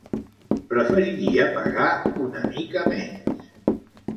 Preferiria pagar una mica menys.